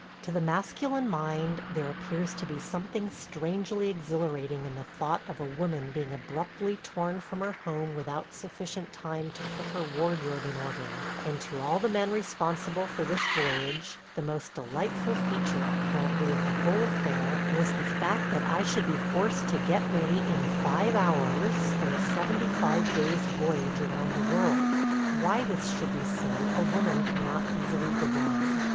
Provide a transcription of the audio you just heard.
To the masculine mind there appears to be something strangely exhilarating in the thought of a woman being abruptly torn from her home without sufficient time to put her wardrobe in order, and to all the men responsible for this voyage the most delightful feature apparently of the whole affair was the fact that I should be forced to get ready in five hours for a seventy five days' voyage around the world. – Why this should be so a woman cannot easily divine.